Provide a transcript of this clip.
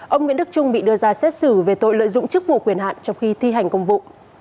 ông nguyễn đức trung bị đưa ra xét xử về tội lợi dụng chức vụ quyền hạn trong khi thi hành công vụ